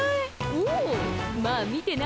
おうまあ見てな。